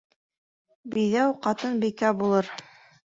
Биҙәү ҡатын бикә булыр.